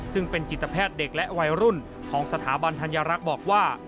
ซึ่งเป็นจิตแพทย์เด็กและวัยรุ่นของสถาบันธัญรักษ์บอกว่า